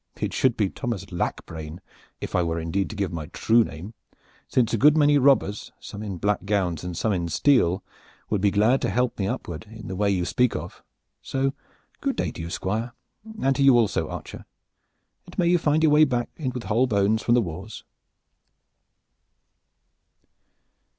"I should be Thomas Lack brain if I were indeed to give my true name, since a good many robbers, some in black gowns and some in steel, would be glad to help me upwards in the way you speak of. So good day to you, Squire, and to you also, archer, and may you find your way back with whole bones from the wars!"